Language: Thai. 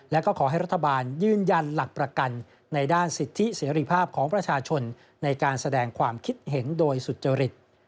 และก็ขอให้รัฐบาลยืนยันหลักประกันในด้านสิทธิเสรีภาพของประชาชนในการแสดงความคิดเห็นโดยสุจริต